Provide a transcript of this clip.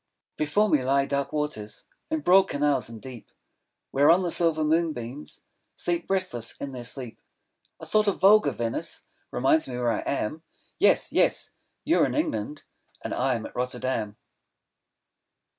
Before me lie dark waters, In broad canals and deep, 10 Whereon the silver moonbeams Sleep, restless in their sleep; A sort of vulgar Venice Reminds me where I am, Yes, yes, you are in England, 15 And I'm at Rotterdam.